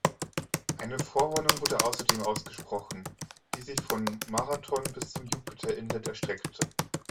Eine Vorwarnung wurde außerdem ausgesprochen, die sich von Marathon bis zum Jupiter Inlet erstreckte.